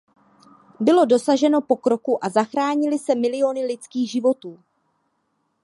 Bylo dosaženo pokroku a zachránily se miliony lidských životů.